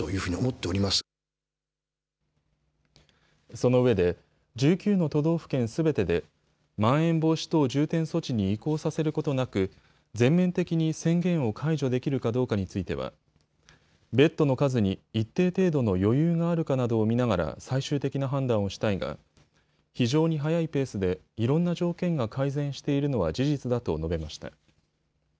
そのうえで１９の都道府県すべてでまん延防止等重点措置に移行させることなく全面的に宣言を解除できるかどうかについてはベッドの数に一定程度の余裕があるかなどを見ながら最終的な判断をしたいが非常に速いペースでいろんな条件が改善しているのは事実だと述べました。